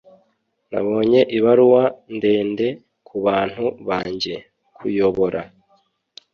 Nabonye ibaruwa ndende kubantu banjye. (_kuyobora)